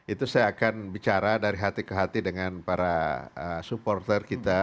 itu saya akan bicara dari hati ke hati dengan para supporter kita